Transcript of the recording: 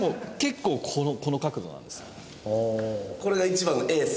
これが一番のエース？